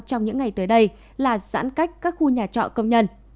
trong những ngày tới đây là giãn cách các khu nhà trọ công nhân